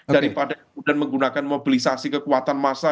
daripada kemudian menggunakan mobilisasi kekuatan massa